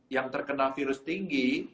yang terkena virus tinggi